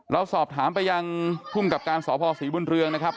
เราสอบถามไปยังภูมิกับการสพศรีบุญเรืองนะครับ